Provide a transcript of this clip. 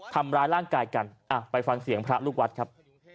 ทำร้ายร่างกายกันไปฟังเสียงพระลูกวัดครับ